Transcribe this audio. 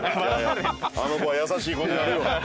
あの子は優しい子になるよ。